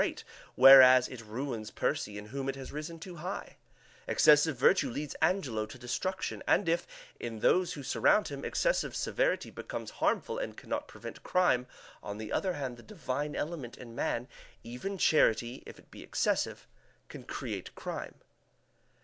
great, whereas it ruins Percy, in whom it has risen too high; excessive virtue leads Angelo to destruction, and if, in those who surround him, excessive severity becomes harmful and can not prevent crime, on the other hand the divine element in man, even charity, if it be excessive, can create crime.